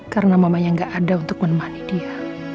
karena mamanya gak ada untuk menemani dia